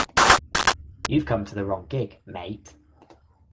You've come to the wrong gig, mate.